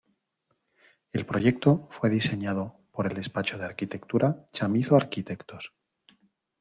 El proyecto fue diseñado por el despacho de arquitectura Chamizo Arquitectos.